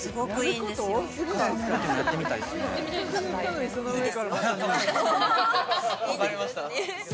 わかりました